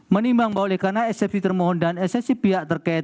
menimbang bahwa oleh karena eksepsi termohon dan eksesi pihak terkait